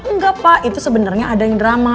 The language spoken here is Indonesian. enggak pak itu sebenarnya ada yang drama